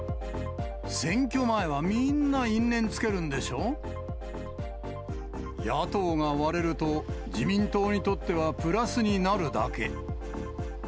選挙前はみんな因縁つけるん野党が割れると、自民党にとってはプラスになるだけ。